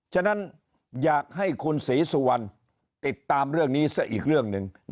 ฉะนั้นอยากให้คุณศรีสุวรรณติดตามเรื่องนี้ซะอีกเรื่องหนึ่ง